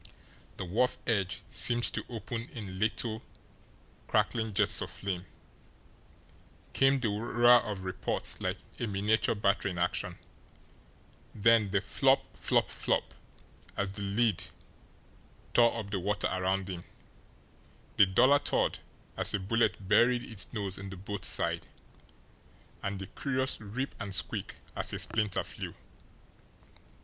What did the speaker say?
The wharf edge seemed to open in little, crackling jets of flame, came the roar of reports like a miniature battery in action, then the FLOP, FLOP, FLOP, as the lead tore up the water around him, the duller thud as a bullet buried its nose in the boat's side, and the curious rip and squeak as a splinter flew.